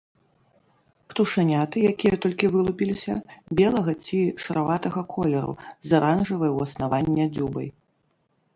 Птушаняты, якія толькі вылупіліся, белага ці шараватага колеру з аранжавай ў аснавання дзюбай.